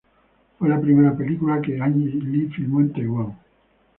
Fue la primera película que Ang Lee filmó en Taiwán.